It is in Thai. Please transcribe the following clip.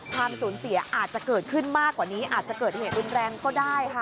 ความสูญเสียอาจจะเกิดขึ้นมากกว่านี้อาจจะเกิดเหตุรุนแรงก็ได้ค่ะ